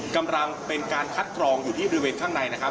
กำลังเป็นการคัดกรองอยู่ที่บริเวณข้างในนะครับ